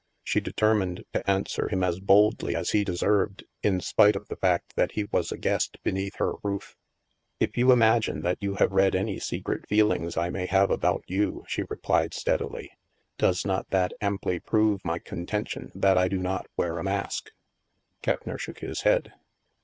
She determined to answer him as boldly as he de served, in spite of the fact that he was a guest be neath her roof. "If you imagine that you have read any secret feelings I may have about you," she replied stead ily, " does not that amply prove my contention that I do not wear a mask ?" Keppner shook his head.